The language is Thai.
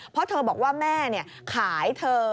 เพราะเธอบอกว่าแม่ขายเธอ